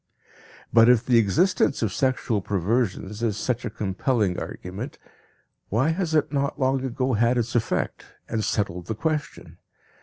But if the existence of sexual perversions is such a compelling argument, why has it not long ago had its effect, and settled the question?